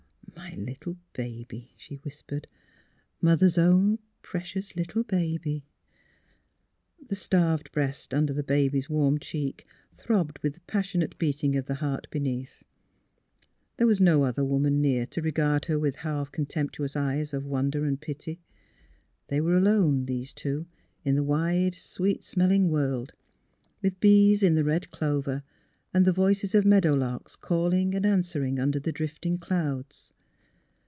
" My little baby," she whispered. '' Mother's own precious little baby! " The starved breast under the baby's warm cheek throbbed with the passionate beating of the heart beneath. There was no other woman near to re gard her with half contemptuous eyes of wonder and pity. They were alone — these two — in the PLAYING MOTHER 267 wide, sweet smelling world, with bees in the red clover and the voices of meadow larks calling and answering under the drifting clouds.